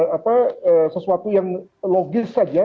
apa sesuatu yang logis saja